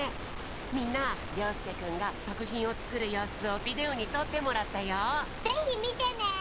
みんなりょうすけくんがさくひんをつくるようすをビデオにとってもらったよ！